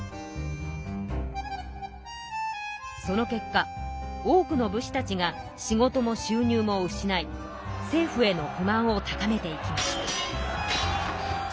その結果多くの武士たちが仕事も収入も失い政府への不満を高めていきました。